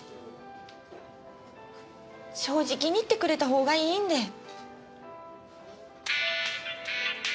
正直に言ってくれたほうがいいんで。